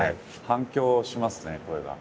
反響しますね声が。